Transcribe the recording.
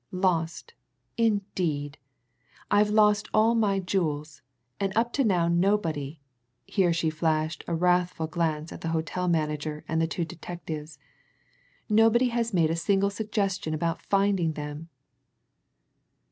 Lost, indeed! I've lost all my jewels, and up to now nobody" here she flashed a wrathful glance at the hotel manager and the two detectives "nobody has made a single suggestion about finding them!"